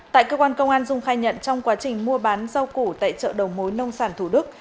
tại cơ quan công an dung khai nhận trong quá trình mua bán rau củ tại chợ đầu mối nông sản thủ đức